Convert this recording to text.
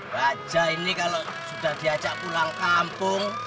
wajah ini kalau sudah diajak pulang kampung